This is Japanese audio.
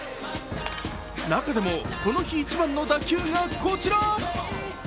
中でもこの日一番の打球がこちら。